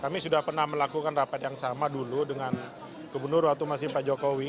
kami sudah pernah melakukan rapat yang sama dulu dengan gubernur waktu masih pak jokowi